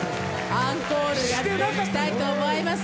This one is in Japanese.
アンコールやっていきたいと思います。